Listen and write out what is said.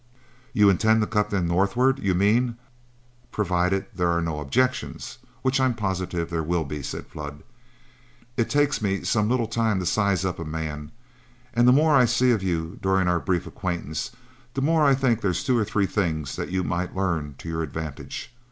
"You intend to cut them northward, you mean, provided there are no objections, which I'm positive there will be," said Flood. "It takes me some little time to size a man up, and the more I see of you during our brief acquaintance, the more I think there's two or three things that you might learn to your advantage.